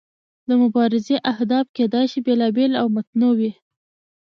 د مبارزې اهداف کیدای شي بیلابیل او متنوع وي.